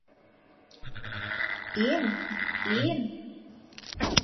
Ин, ин!